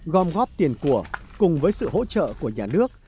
gom góp tiền của cùng với sự hỗ trợ của nhà nước